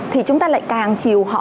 thì chúng ta lại càng chiều họ